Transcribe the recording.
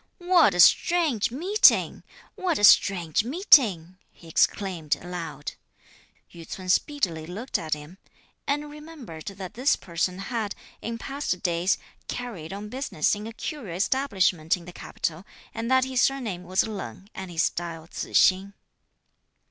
"What a strange meeting! What a strange meeting!" he exclaimed aloud. Yü ts'un speedily looked at him, (and remembered) that this person had, in past days, carried on business in a curio establishment in the capital, and that his surname was Leng and his style Tzu hsing.